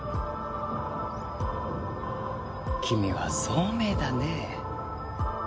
君は聡明だねえ。